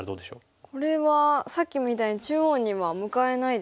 これはさっきみたいに中央には向かえないですもんね。